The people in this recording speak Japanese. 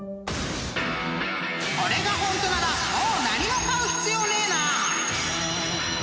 ［これがホントならもう何も買う必要ねえな！］